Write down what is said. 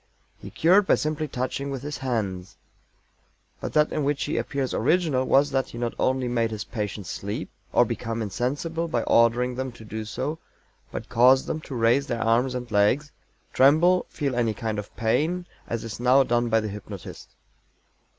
He cured by simply touching with his hands. But that in which he appears original was that he not only made his patients sleep or become insensible by ordering them to do so but caused them to raise their arms and legs, tremble, feel any kind of pain, as is now done by the hypnotist.